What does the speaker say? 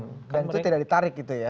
dan itu tidak ditarik gitu ya